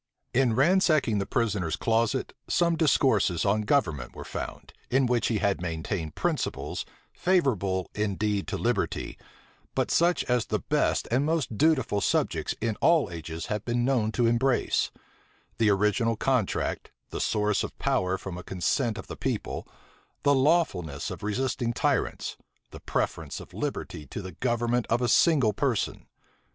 In ransacking the prisoner's closet, some discourses on government were found; in which he had maintained principles, favorable indeed to liberty, but such as the best and most dutiful subjects in all ages have been known to embrace; the original contract, the source of power from a consent of the people, the lawfulness of resisting tyrants, the preference of liberty to the government of a single person.